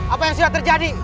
apa yang sudah terjadi